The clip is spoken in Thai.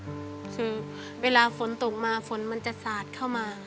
คือเวลาฝนตกมาฝนมันจะสาดเข้ามา